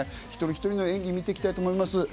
一人一人の演技を見ていきたいと思います。